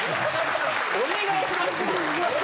お願いしますよ。